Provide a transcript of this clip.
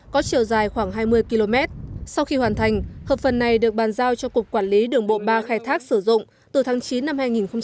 có chiều dài khoảng hai mươi km sau khi hoàn thành hợp phần này được bàn giao cho cục quản lý đường bộ ba khai thác sử dụng từ tháng chín năm hai nghìn một mươi